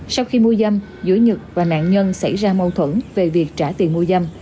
sau khi mua dâm giữa nhật và nạn nhân xảy ra mâu thuẫn về việc trả tiền mua dâm